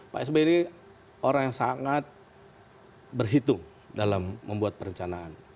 pak sby ini orang yang sangat berhitung dalam membuat perencanaan